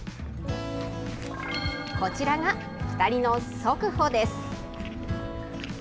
こちらが２人の速歩です。